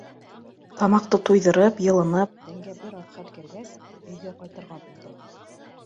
Тамаҡты туйҙырып, йылынып, тәнгә бер аҙ хәл кергәс, өйгә ҡайтырға булдыҡ.